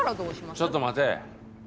ちょっと待て。